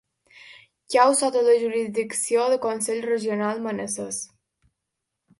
Cau sota la jurisdicció de Consell Regional Manassès.